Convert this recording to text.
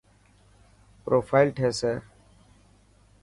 پروفائل ٺيسي.